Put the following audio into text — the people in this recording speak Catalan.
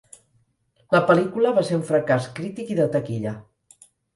La pel·lícula va ser un fracàs crític i de taquilla.